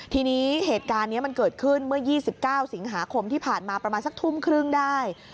ทีนี้เหตุการณ์นี้มันเกิดขึ้นเมื่อ๒๙สิงหาคมที่ผ่านมาประมาณสักทุ่มครึ่งได้